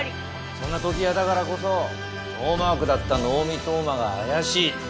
そんな時矢だからこそノーマークだった能見冬馬が怪しいと見抜けたんだよな。